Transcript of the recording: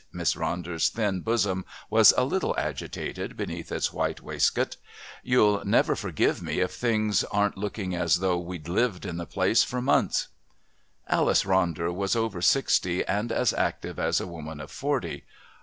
Miss Ronder's thin bosom was a little agitated beneath its white waistcoat. "You'll never forgive me if things aren't looking as though we'd lived in the place for months." Alice Ronder was over sixty and as active as a woman of forty.